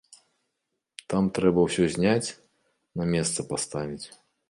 Там трэба ўсё зняць, на месца паставіць.